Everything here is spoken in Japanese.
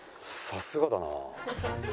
さすがだな。